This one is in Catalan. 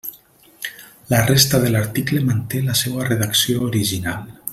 La resta de l'article manté la seua redacció original.